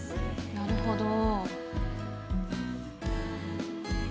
なるほど。